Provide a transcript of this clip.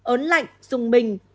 ốn lạnh dùng bình